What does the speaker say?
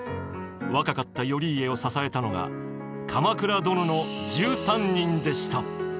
若かった頼家を支えたのが鎌倉殿の１３人でした。